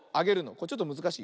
ちょっとむずかしい。